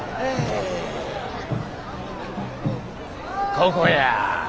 ここや。